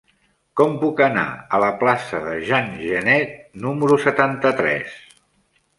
Com puc anar a la plaça de Jean Genet número setanta-tres?